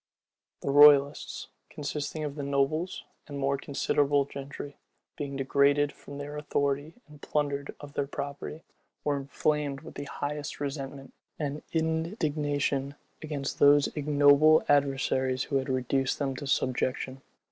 The royalists, consisting of the nobles and more considerable gentry, being degraded from their authority and plundered of their property, were inflamed with the highest resentment and indignation against those ignoble adversaries who had reduced them to subjection.